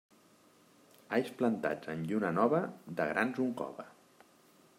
Alls plantats en lluna nova, de grans un cove.